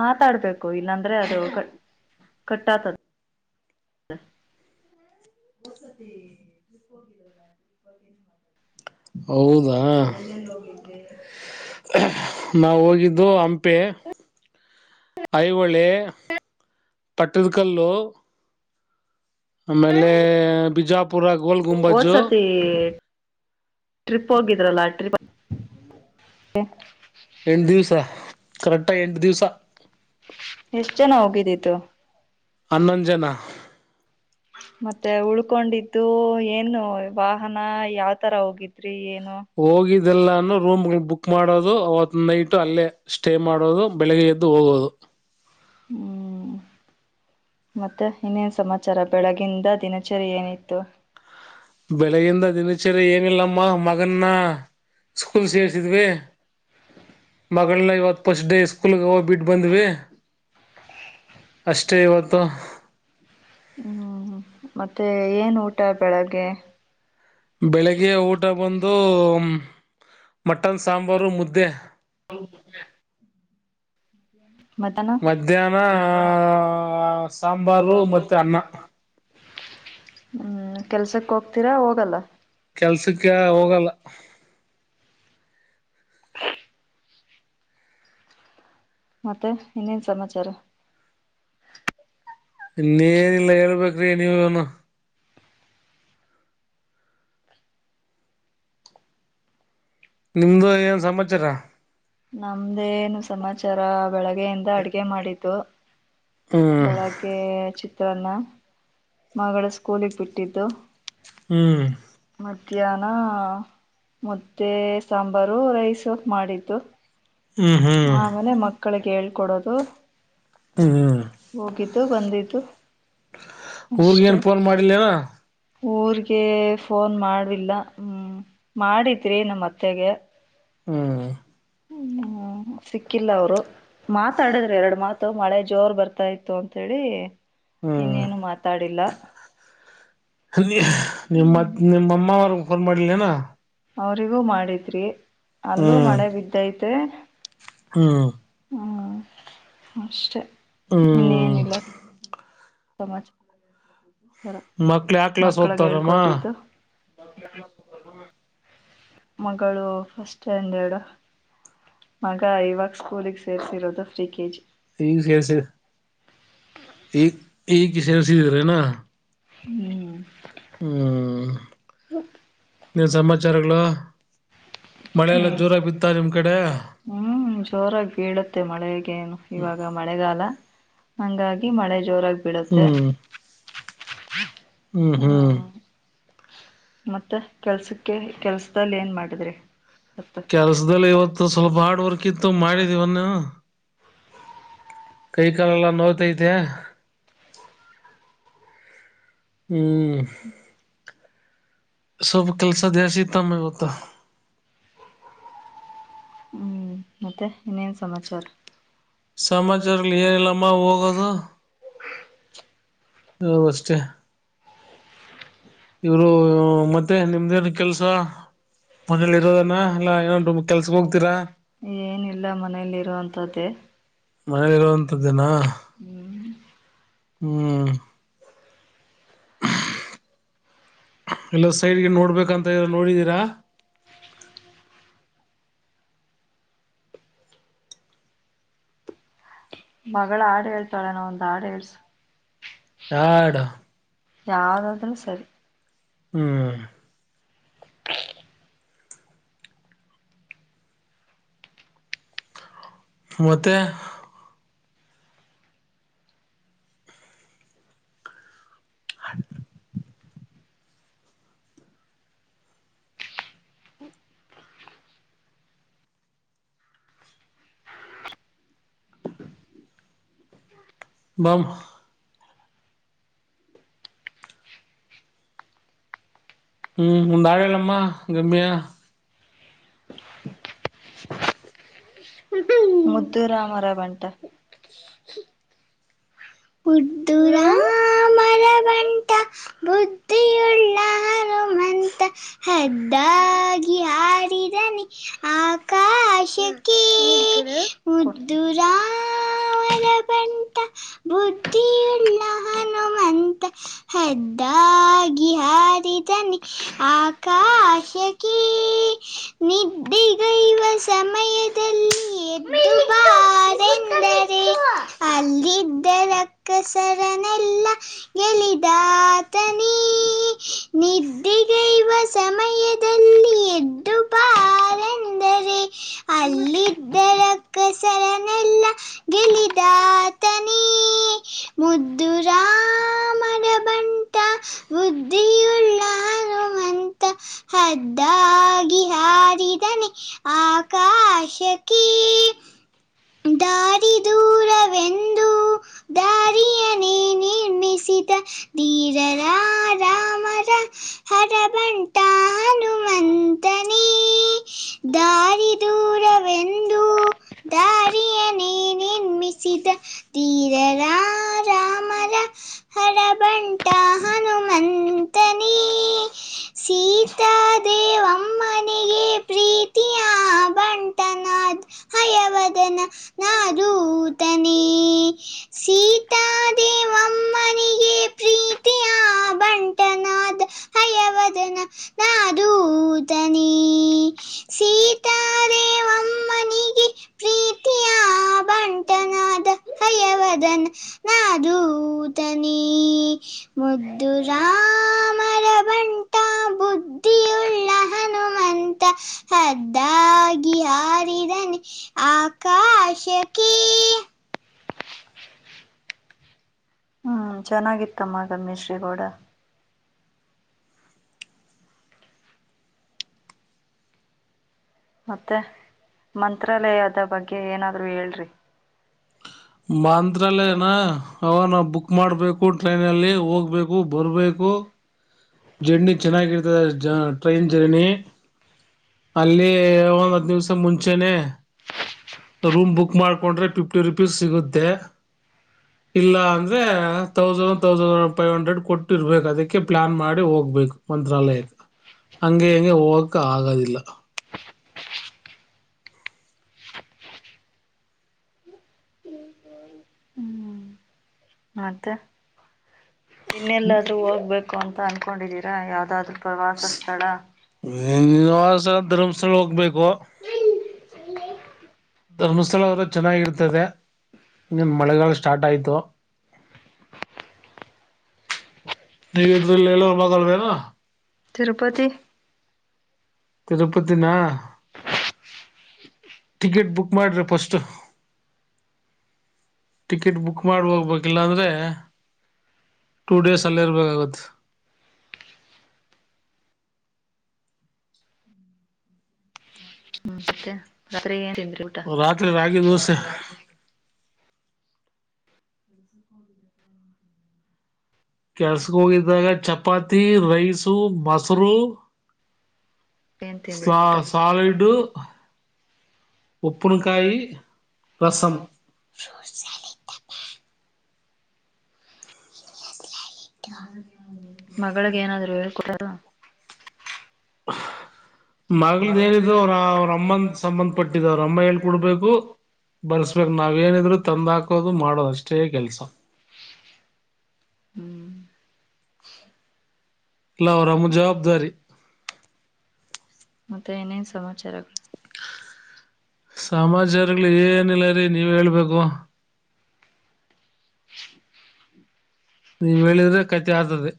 ಮಾತಾಡ್ಬೇಕು ಇಲ್ಲಂದ್ರೆ ಅದು ಕ್ ಕಟ್ಟ ತ ದ [unintelligible] ಹೌದಾ ನಾ ಹೋಗಿದ್ದು ಹಂಪೆ ಐಒಳೆ ಪಟ್ಟದ್ಕಲ್ಲು ಆಮೇಲೆ ಬಿಜಾ ಹೊದ್ಸತಿ ಟ್ರಿಪ್ ಹೋಗಿದ್ರಲ್ಲ ರಿಪ್ ಎ ಎಂಟ ದಿವ್ಸ ಕರೆಕ್ಟ ಎಂಟ್ ದಿವ್ಸ ಎಷ್ಟ್ ಜನ ಹೋಗಿದ್ದಿತ್ತು ಹನ್ನೊಂದ್ ಜನ ಮತ್ತೆ ಉಳ್ಕೊಂಡಿದ್ದು ಏನು ವಾಹನ ಯಾವ ತರ ಹೋಗಿದ್ ರಿ ಏನೋ ಇದೆಲ್ಲಾನು ರೂಮ್ ಬುಕ್ ಮಾಡೋದು ಅವ್ತ್ ನೈಟ್ ಅಲ್ಲೇ ಸ್ಟೇ ಮಾಡೋದು ಬೆಳಗ್ಗೆ ಎದ್ದು ಹೋಗೋದು ಹ್ಮ್ ಮತ್ತೆ ಇನ್ನೇನ್ ಸಮಾಚಾರ ಬೆಳಗಿಂದ ದಿನಚರಿ ಏನಿತ್ತು ಬೆಳಗಿಂದ ದಿನಚರಿ ಏನಿಲ್ಲಮ್ಮ ಮಗನ್ನ ಸ್ಕೂಲ್ ಸೇರ್ಸಿದ್ವಿ ಮಗಳನ್ನ ಇವತ್ತು ಫಸ್ಟ್ ಡೇ ಸ್ಕೂಲ್ಗೆ ಹೋಗ್ ಬಿಟ್ಟ ಬಂದ್ವಿ ಅಷ್ಟೇ ಇವತ್ತು [unintelligible] ಹ್ಮ್ ಮತ್ತೆ ಏನ್ ಊಟ ಬೆಳಗ್ಗೆ ಬೆಳಿಗ್ಗೆ ಊಟ ಬಂದು ಮಟನ್ ಸಾಂಬಾರು ಮುದ್ದೆ ಹೌ ಮಧ್ಯಾಹ್ನ ಸಾಂಬಾರು ಮತ್ತೆ ಅನ್ನ ಹ್ಮ್ ಕೆಲ್ಸಕ್ಕೆ ಹೋಗ್ತೀರಾ ಹೋಗಲ್ಲ ಕೆಲ್ಸಕ್ಕೆ ಹೋಗಲ್ಲ ಮತ್ತೆ ಇನ್ನೇನ್ ಸಮಾಚಾರ ರಿ ನೀವುನು ನಿಮ್ದು ಏನ್ ಸಮಾಚಾರ ನಮ್ದೇ ಏನ್ ಸಮಾಚಾರ ಬೆಳಗ್ಗೆಯಿಂದ ಅಡ್ಗೆ ಮಾಡಿದ್ದು ಹ್ಮ್ ಬೆಳಗ್ಗೆ ಚಿ ತ್ತರನ್ನ ಮಗಳ ಸ್ಕೂಲಿಗೆ ಬಿಟ್ಟಿದ್ದು ಹ್ಮ್ ಮಧ್ಯಾಹ್ನ ಮತ್ತೆ ಸಾಂಬಾರು ರೈಸ್ ಜೂಸು ಮಾಡಿದ್ದು ಹ್ಮ್ ಹ್ಮ್ ಹ್ಮ್ ಆಮೇಲೆ ಮಕ್ಕಳಿಗೆ ಹೇಳ್ಕೊಡೋದು ಸ ಹ್ಮ್ ಊರುಗೇನು ಫೋನ್ ಮಾಡಿಲ್ಲೇನ ಊರ್ಗೆ ಫೋನ್ ಮಾಡವಿಲ್ಲ ಹ್ಮ್ ಮಾಡಿದರಿ ನಮ್ಮತ್ತೆಗೆ ಹ್ಮ್ ಹ್ಮ ಸಿಕ್ಕಿಲ್ಲ ಅವರು ಮಾತಾಡಿದ್ರೆ ಎರಡು ಮಾತು ಮಳೆ ಜೋರ್ ಬರ್ತಾ ಇತ್ತು ಅಂತ ಹೇಳಿ ಹ್ಮ್ ಇನ್ನೇನು ಮಾತಾಡಿಲ್ಲ ನಿಮ್ಮ ನಿಮ್ಮಮ್ಮ ಅವ್ರಗ್ ಫೋನ್ ಮಾಡ್ಲೇನಾ ಅವರಿಗೂ ಮಾಡಿದ್ರಿ ಅಲ್ಲೂ ಹ್ಮ್ ಮಳೆ ಬಿದ್ದೈತೆ ಹ್ಮ್ ಅಷ್ಟೇ ಹ್ಮ್ ಇನ್ನೇನಿಲ್ಲ ಸಮಾಜ ಮಕ್ಳ ಯಾವ ಕ್ಲಾಸ್ ಓದ್ತಾರಮ್ಮ ಹೇಳ್ಕೊಟ್ಟಿದ್ದು ಮಗಳು ಫಸ್ಟ್ ಸ್ಟ್ಯಾಂಡರ್ಡ್ ಮಗ ಇವಾಗ ಸ್ಕೂಲಗ್ ಸೇರ್ಸಿರೋದು ಫ್ರೀ ಕೆಜಿ ಈ ಕೆಸೆ ಈ ಇಗ ಸೇರಿಸಿನ್ಸಿದರನಾ ಹ್ಮ್ ಹ್ಮ್ ನೀನ್ ಸಮಾಚಾರಗಳು ಮಳೆಲ್ಲಾ ಜೋರ ಬಿತ್ತಾ ನಿಮ್ ಕಡೆ ಇತೆ ಮಳೆ ಏನು ಇವಾಗ ಮಳೆಗಾಲ ಹಂಗಾಗಿ ಮಳೆ ಜೋರಾಗಿ ಬಿಡುತ್ತೆ ಹ್ಮ್ ಹ ಹ್ಮ್ ಹ್ಮ್ ಮತ್ತೆ ಕೆಲ್ಸಕ್ಕೆ ಕೆಲ್ಸದಲ್ಲಿ ಏನ್ ಮಾಡಿದ್ರಿ ಇವತ್ತು ಕೆಲ್ಸದಲ್ಲಿ ಇವತ್ತು ಸ್ವಲ್ಪ ಹಾರ್ಡ್ ವರ್ಕ್ ಇತ್ತು ಮಾಡಿದೀವನ್ನೆ ಕೈ ಕಾಲ ಎಲ್ಲ ನೋತೈತೆ ಹ್ಮ್ ಸ್ವಲ್ಪ ಕೆಲಸ ದಾಸೀ ತಮ್ಮ ಇತ್ತು ತ್ತ ಹ್ಮ್ ಮತ್ತೆ ಇನ್ನೇನ್ ಸಮಾಚಾರ ಸಮಾಚಾರಗಳು ಏನಿಲ್ಲಮ್ಮ ಹೋಗೋದು [inaudible] ಹ ಮಸ್ತೆೇ ಇವರು ಮತ್ತೆ ನಿಮ್ದೇನು ಕೆಲ್ಸ ಮನೇಲಿ ಇರೋದನ್ನ ಎಲ್ಲ ಏನನ್ು ಕೆಲ್ಸಕ್ ಹೋಗ್ತೀರ ಏನಿಲ್ಲ ಮನೇಲಿರುವಂಥದ್ದೇ ಮನೇಲಿರುವಂತದ ದಿನ ಹ್ಮ್ ಹ್ಮ್ ಎಲ್ಲ ಸೈಡ್ಗೆ ನೋಡ್ಬೇಕಂತ ನೋಡಿದೀರಾ ಮಗಳ ಆಡು ಹೇಳ್ತಾಳೆ ನಾವ ಒಂದು ಆಡು ಹಳ್ಸ ಆಡ ಯ್ದಾದೂ ಸರಿ ಹ್ಮ್ ಮತ್ತೆ [inaudible] ಬಹ ಹ್ಮ್ ದಾಳಲ್ಲಮ್ಮ ಗಮ್ಯಾ ಮುದ್ದುರಾಮರ ಬಂಟ [inaudible] ಹುಡ್್ದರಾಮ ಬರ ಬಂಟ ಬುದ್ಧಿಯುಳ್ಳ ಹನುಮಂತ ಹದ್ದಾಗಿ ಹಾರಿದನ ಆಕಾಶಕ್ಕೆ ನೀಕ್ರ ಕೊಡ್ ಂತ ಬುದ್ಧಿಯುಳ್ಳ ಹನುಮಂತ ಹದ್ದಾಗಿ ಹಾರಿದನ ಆಕಾಶಕ್ಕೆ ನಿದ್ದಿಗಯುವ ಸಮಯದಲ್ಲಿ ಎದ್ದು ಬಾರೆಂದರೆ ಅಲ್ಲಿದ್ದ ದರ ಕಸರನೆಲ್ಲ ಗೆಲಿದಾತನೇ ನಿದ್ದಿಗಯುವ ಸಮಯದಲ್ಲಿ ಎದ್ದು ಬಾರಂದರೆ ಅಲ್ಲಿದ್ದರ ಕಸರನೆಲ್ಲ ಗೆಲಿದಾತನ ನೀ ಮುದ್ದು ರಾಮರ ಬಟ ಬುದ್ಧಿಯುಳ್ಳನುಮಂತ ಹದ್ದಾಗಿ ಹಾರಿದನ ಆಕಾಶಕ್ಕೆೀ ದಾರಿದೂರವೆಂದ ಂದು ದಾರಿಯನೇ ನಿರ್ಮಿಸಿದ ಧೀರರಾರಾಮರ ಹರಬಂಟನುಮಂತನೇ ದಾರ ದೂರವೆಂದು ದಾರಿಯನೆೇ ನಿರ್ಮಿಸಿದ ತೀರರ ರಾಮರ ಹರಬಂಟ ಹನುಮಂತನಿ ಸೀತಾದೇವಮ್ಮನಿಗೆ ಪ್ರೀತಿಯ ಬಂಟನಾದ್ ಹಯವದನ ನಾದೂತನ ಸೀತಾದೇವಮ್ಮನಿಗೆ ಪ್ರೀತಿಯ ಬಂಟನಾದ ಹಯವದನ ನಾದೂದನ ಸೀತಾದೇವಮ್ಮನಿಗೆ ಪ್ರೀತಿಯ ಬಂಟನಾದ ಹಯವದನ್ ನಾದೂತನಿ ಮುದ್ದು ರಾಮರ ಬಂಟ ಬುದ್ಧಿಯುಳ್ಳ ಹನುಮಂತ ಹದ್ದಾಗಿ ಹಾರಿದನ ಆಕಾಶಕ್ಕೆೀ ಹ್ಮ್ ಚೆನ್ನಾಗಿತ್ತಮ್ಮ ಗಮೇಶ ಶ್ರೀ ಗೌಡ ಮತ್ತೆ ಮಂತ್ರಾಲಯದ ಬಗ್ಗೆ ಏನಾದ್ರು ಹೇಳ್ರಿ ಮಾಂತ್ರಾಲೇನಾ ಅವನ ಬುಕ್ ಮಾಡಬೇಕು ಸ್ಕೂ ಟ್ರೈನಲ್ಲಿ ಹೋಗ್ಬೇಕು ಬರಬೇಕು ಜರ್ನಿ ಚೆನ್ನಾಗಿರ್ತದೆ ಟ್ರೈನ್ ಜರ್ನಿ ಅಲ್ಲಿ ಹತ್ತು ದಿನ ಮುಂಚೆನೇ ರೂಮ್ ಬುಕ್ ಮಾಡಿದ್ರೆ ಫಿಫ್ಟಿ ರೂಪಾಯಿ ಸಿಗುತ್ತೆ, ಇಲ್ಲ ಅಂದ್ರೆ ತೌಸಂಡ್ ಕೊಡ್ಬೇಕಾಗುತ್ತೆ ಐದು ನೂರು ರೂಪಾಯಿ ಕೊಟ್ಟಿರ್ಬೇಕು. ಅದಕ್ಕೆ ಪ್ಲಾನ್ ಮಾಡಿಕೊಂಡೇ ಹೋಗ್ಬೇಕು. ಮಂತ್ರಾಲಯಕ್ಕೆ ಹಂಗೆ ಹಂಗೆ ಹೋಗೋಕೆ ಆಗೋದಿಲ್ಲ ಹ್ಮ್ ಮತ್ತೆ ಇನ್ನೆಲ್ಲಾದ್ರೂ ಹೋಗ್ಬೇಕು ಅಂತ ಅನ್ಕೊಂಡಿದೀರಾ ಯಾವ್ದಾದ್ರು ಪ್ರವಾಸ ಸ್ಥಳ ಸಲ ಧರ್ಮಸ್ಥಳ ಹೋಗ್ಬೇಕು ಧರ್ಮಸ್ಥಳ ಅವರು ಚೆನ್ನಾಗಿರ್ತದೆ ಇನ್ನೊಂದ ಮಳೆಗಾಲ ಸ್ಟಾರ್ಟ್ ಆಯ್ತು ನೀವ್ರಲ್ಲಿ ಬೇ [inaudible] [unintelligible] ತಿರುಪತಿ ತಿರುಪತಿನ ಟಿಕೆಟ್ ಬುಕ್ ಮಾಡ್ರಿ ಫಸ್ಟ್ ಟಿಕೆಟ್ ಬುಕ್ ಮಾಡ ಹೋಗ್ಬೇಕಿಲ್ಲಾ ಅಂದ್ರೆ ಟೂ ಡೇಸ್ ಅಲ್ಲಿ ಇರ್ಬೇಕಾಗತ್ ಅತ್ರ ಏನ್ ಊಟ ರಾತ್ರಿ ರಾತ್ ಆ ತಸ ಕೆಲ್ಸಕ್ ಹೋಗಿದ್ದಾಗ ಚಪಾತಿ ರೈಸು ಮೊಸರು ಏನ್ ತಿಂದ್ರಿ ಊಟ ಸಾಲಿಡು ಉಪ್ಪನಕಾಯ್ ರಸಂ ಸಾಲ ಪಪಾ [inaudible] [unintelligible] [inaudible] ಮಗಳಿಗೆ ಏನಾದ್ರು ಹೇಳ್ಕೊಡ ಪ್ಪ [inaudible] ಮಲದ ಏನಿದ್ರು ಅವ್ರ ಅವ್ರ ಅಮ್ಮಂದ ಸಂಬಂಧ ಪಟ್ಟಿದ್ ಅವ್ರ ಅಮ್ಮ ಹೇಳ್ಕೊಡ್ಬೇಕು ಬರ್ಸ್ಬೇಕು ನಾವೇಏನಿದ್ರು ತಂದ್ ಹಾಕೋದು ಮಾಡೋದು ಅಷ್ಟೇ ಕೆಲ್ಸ ಹ [inaudible] ಇಲ್ಲ, ಅದು ಅವರಮ್ಮನ ಜವಾಬ್ದಾರಿ ಮತ್ತೆ ಏನೇನ್ ಸಮಾಚಾರಗಳು ಸಮಾಾಜಾರಗ್ಗಳು ಏನಿಲ್ಲ ರೀ ನೀವ ಹೇಳ್ಬೇಕು ನೀವ್ ಹೇಳಿದ್ರೆ ಕಚೆ ಆಗ್ತದೆ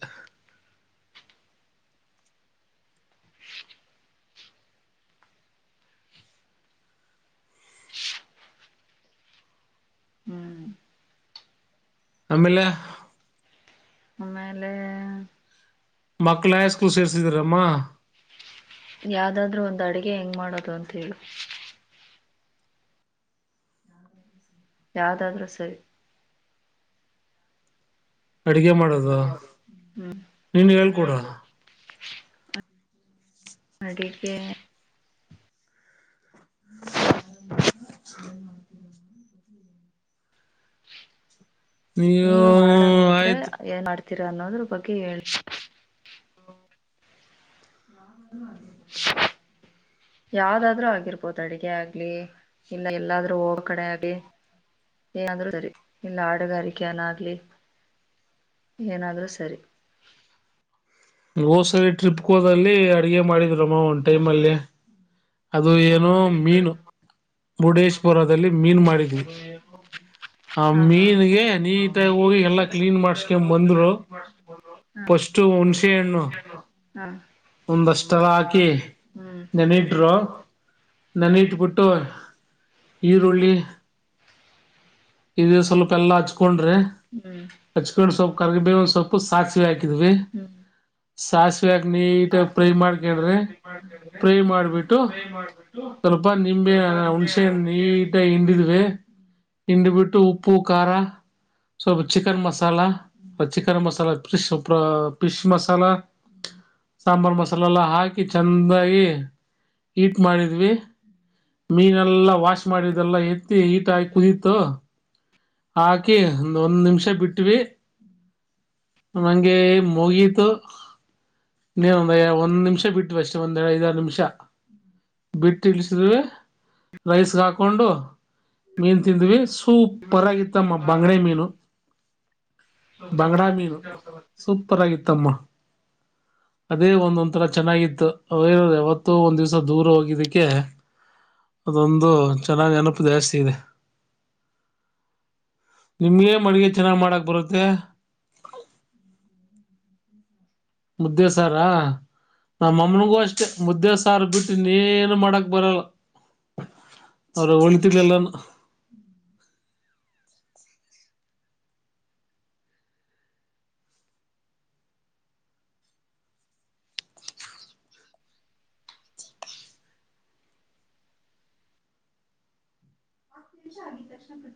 ಹ್ಮ್ [inaudible] ಆಮೇಲೆ ಆಮೇಲೆ ಮಕ್ಳ ಸ್ಕೂಲ್ ಸೇರ್ಸಿದ್ರಮ್ಮ ಯಾವ್ದಾದ್ರು ಒಂದ್ ಅಡಗೆ ಹೆಂಗ್ ಮಾಡೋ ತಂತ ಹೇಳು ಯ್ದಾದಾದ್ರೂ ಸರಿ ಅಡಿಗೆ ಮಾಡೋದು ಹ್ಮ್ ನೀನ್ ಹೇಳ್ಕೊಡ ಅಡಿಗೆ [inaudible] [inaudible] ನೀವು ಮಾಡಂಗಿದ್ರೆ ಆಯ್ತು ಏನ್ ಮಾಡ್ತ ತಿನ್ನೋದ್ರ ಬಗ್ಗೆ ಹೇಳ [inaudible] ಯಾವ್ದಾದ್ರೂ ಆಗಿರ್ಬೋದು ಅಡಗೆ ಆಗ್ಲಿ ಇಲ್ಲ ಎಲ್ಲಾದ್ರೂ ಹೋಗ ಕಡೆ ಆಗ್ಲಿ ಏನಾದ್ರು ಸರಿ ಇಲ್ಲ ಆಡುಗಾರಿಕೆನಾಗ್ಲಿ ಏನಾದ್ರರು ಸರಿ ಹೋ ಸರಿ ಟ್ರಿಪ್ ಹೋದಲ್ಲಿ ಅಡಿಗೆ ಮಾಡಿದ್ ತಮ್ಮ ಒನ್ ಟೈಮ ಅಲ್ಲಿ ಅದು ಏನು ಮೀನು ಮುರುಡೇಶ್ವರದಲ್ಲಿ ಮೀನ್ ಮಾಡಿದ್ವಿ ಆ ಹ ಹಾ ಮೀನ್ಗೆ ನೀಟಾಗಿ ಹೋಗಿ ಎಲ್ಲ ಕ್ಲೀನ್ ಮಾಡ್ಸ್ಕೊ ಬಂದ್ರು ಪಷ್ಟು ಹುಣಸೆ ಹಣ್ಣು ಒಂದಷ್ಟೆಲ್ಲ ಹಾಕಿ ಹ ನೆನಿಟ್ರು ಹ ನೆನಿಟ್ಬಿಟ್ಟು ಹೂ ಈರುಳ್ಳಿ ಹೂ ಇದು ಸ್ವಲ್ಪ ಎಲ್ಲ ಹಚ್ಕೊಂಡ್ರಿ ಹೂ ಹಚ್ಕೊಂಡು ಸ್ವಲ್ಪ ಕರಿಬೇವಿನ ಸೊಪ್ಪು [unintelligible] ಸಾಸ್ ಸಾವೇ ನೀಟಾಗಿ ಫ್ರೈ ಮಾಡ್ಕೊಂಡ್ರೆ ಫ್ರೈ ಹ್ಮ್ ಮಾಡ್ಬಿಟ್ಟು ಸ್ವಲ್ಪ ನಿಂಬೆ ಹುಣಸೆ ನೀಟಾಗಿ ಹಿಂಡಿದ್ವಿ ಹಿಂಡಿಬಿಟ್ಟು ಉಪ್ಪು ಖಾರ ಸ್ವಲ್ಪ chicken masala chicken masala fish fish masala sambar ಮಸಾಲೆಲ್ಲ ಹಾಕಿ ಚೆಂದಾಗಿ ಹಟ್ ಮಾಡಿದ್ವಿ ಮೀನೆಲ್ಲ ವಾಶ್ ಮಾಡಿದೆೆಲ್ಲ ಇ ನೀಟಾಗಿ ಕುದೀತ [inaudible] ಹಾಕಿ ಒಂದ ಒಂದ್ ನಿಮಿಷ ಬಿಟ್ವಿ ನಂಗೆ ಮುಗೀತು ನೀನೊಂದ ಒಂದ್ ನಿಮಿಷ ಬಿಟ್ಟು ಅಷ್ಟೇ ಒಂದ್ೆ ಐದಾರು ನಿಮಿಷ ಬಿಟ್ಟು ಇಳಿಸಿದ್ರುವೆ ರೈಸ್ಗೆ ಹಾಕೊಂಡು ಮೀನ್ ತಿಂದ್ವಿ ಸೂ ಸೂಪರ್ ಆಗಿತ್ತಮ್ಮ ಬಂಗಡೆ ಮೀನು ಬಂಗಡಾ ಮೀನು ಸೂಪರ್ ಆಗಿತ್ತಮ್ಮ ಅದೇ ಒಂದೊಂದ್ಥರ ಚೆನ್ನಾಗಿತ್ತು ಅವೇ ಯಾವತ್ತೂ ಒಂದ್ ದಿವ್ಸ ದೂರ ಹೋಗಿದ್ದಕ್ಕೆ ಅದೊಂದು ಚೆನ್ನಾಗಿ ನೆನಪು ಜಾಸ್ತಿ ಇದೆ ನಿಮ್ಗೆ ಮಡಿಗೆ ಚೆನ್ನಾಗ್ ಮಾಡಕ್ ಬರುತ್ತೆ ಮುದ್ದೆ ಸಾರಾ ನಮ್ಮಮ್ಮನಿಗೂ ಅಷ್ಟೇ ಮುದ್ದೆ ಸಾರ ಬಿಟ್ಟು ನೀನ್ ಮಾಡಕ್ ಬರಲ್ಲ ಅವ್ರ ಹೊಳತಿರ್ಲ್ಲಾನ ವಿಷ ಆಗಿದ್ದ ಕ್ಷಣ